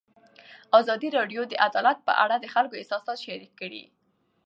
ازادي راډیو د عدالت په اړه د خلکو احساسات شریک کړي.